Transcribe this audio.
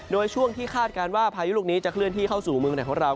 โดยช่วงที่คาดการณ์ว่าพายุลูกนี้จะเคลื่อนที่เข้าสู่เมืองไหนของเรา